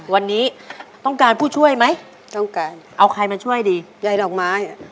วันนี้ต้องการผู้ช่วยไหมต้องการเอาใครมาช่วยดียายดอกไม้